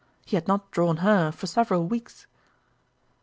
He had not drawn her for several weeks.